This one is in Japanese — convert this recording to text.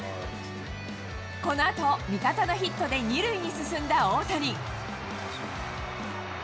このあと、味方のヒットで２塁に進んだ大谷。